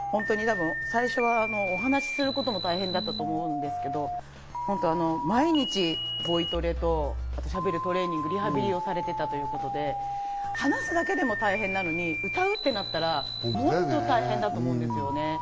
最初はお話することも大変だったと思うんですけど、毎日ボイトレと、しゃべるトレーニングのリハビリをされていたということで、話すだけでも大変なのに、歌うとなったらもっと大変だと思うんですよね。